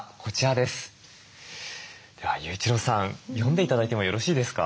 では雄一郎さん読んで頂いてもよろしいですか。